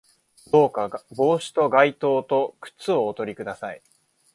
どうか帽子と外套と靴をおとり下さい